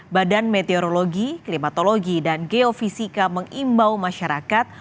badan meteorologi klimatologi dan geofisika mengimbau masyarakat